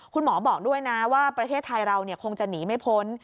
คุณหมอบอกด้วยนะว่าประเทศไทยเราคงจะหนีไม่พ้น